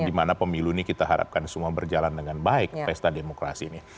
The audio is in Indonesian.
dimana pemilu ini kita harapkan semua berjalan dengan baik pesta demokrasi ini